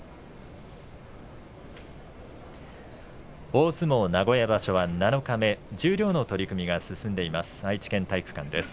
大相撲名古屋場所は七日目、十両の取組が進んでいます